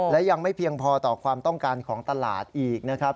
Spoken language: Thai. และยังไม่เพียงพอต่อความต้องการของตลาดอีกนะครับ